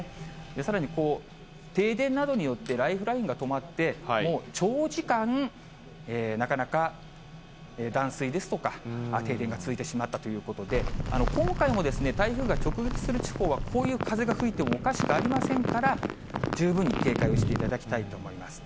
さらに停電などによってライフラインが止まって、もう長時間、なかなか断水ですとか、停電が続いてしまったということで、今回もですね、台風が直撃する地方は、こういう風が吹いてもおかしくありませんから、十分に警戒をしていただきたいと思います。